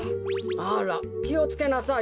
あらきをつけなさいよ。